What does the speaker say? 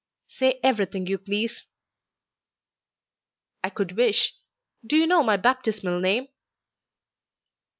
"Say everything you please." "I could wish: Do you know my baptismal name?"